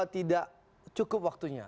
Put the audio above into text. tidak cukup waktunya